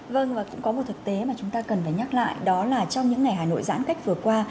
vâng và cũng có một thực tế mà chúng ta cần phải nhắc lại đó là trong những ngày hà nội giãn cách vừa qua